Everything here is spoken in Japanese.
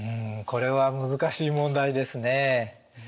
これは難しい問題ですね。